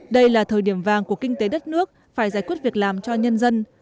đây là thời điểm vàng của kinh tế đất nước phải giải quyết việc làm cho nhân dân